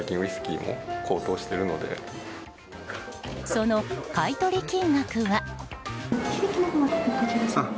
その買い取り金額は。